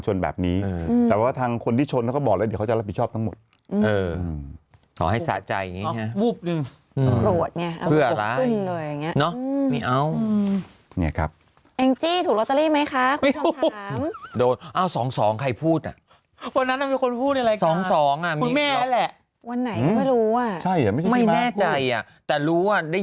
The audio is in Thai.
หรือว่าตัวเองสองสองอ่ะเนอะใครวะวันนั้นที่ที่เรารู้วันนั้นเรามีใครกัน